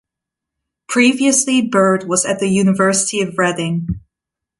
Previously Bird was at the University of Reading.